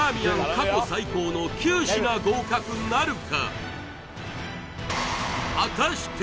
過去最高の９品合格なるか？